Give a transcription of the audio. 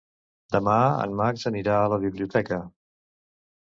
Demà en Max anirà a la biblioteca.